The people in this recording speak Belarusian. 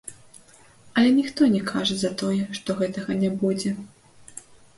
Але ніхто не кажа за тое, што гэтага не будзе.